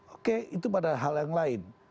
oke itu pada hal yang lain